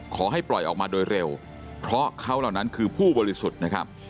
ขอให้ปล่อยออกมาโดยเร็วเพราะเขาเหล่านั้นคือผู้บริสุทธิ์นะครับ